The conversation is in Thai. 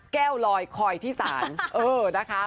แก้วลอยคอยที่สารเออนะคะ